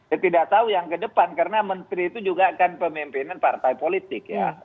saya tidak tahu yang ke depan karena menteri itu juga kan pemimpinan partai politik ya